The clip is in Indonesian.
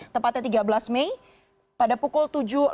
tempatnya tiga belas mei pada pukul tujuh lima puluh tiga